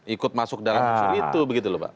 ikut masuk dalam situ begitu lho pak